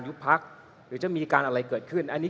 คุณเขตรัฐพยายามจะบอกว่าโอ้เลิกพูดเถอะประชาธิปไตย